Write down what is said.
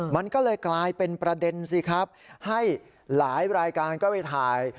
มันก็เลยกลายเป็นประเด็นสิครับให้หลายรายการก็ไปถ่าย